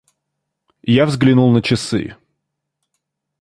Я взглянул на часы.